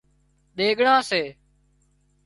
ۮِيڳڙان سي